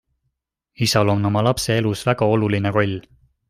Isal on oma lapse elus väga oluline roll.